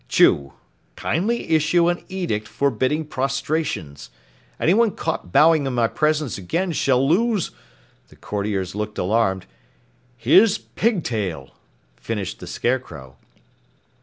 Chew, kindly issue an edict forbidding prostrations. Anyone caught bowing in my presence again shall lose " the courtiers looked alarmed " his pigtail!" finished the Scarecrow.